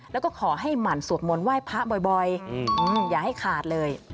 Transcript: แล้วก็ขอให้หมั่นสวดมนต์ไหว้พระบ่อยอย่าให้ขาดเลย